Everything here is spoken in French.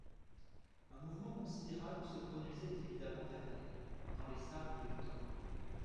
Un mouvement considérable se produisait évidemment derrière, dans les sables du Torrent.